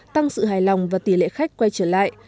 tăng sự hài lòng và tỷ lệ khách quay trở lại